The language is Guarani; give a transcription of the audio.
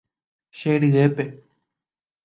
Che ryépe.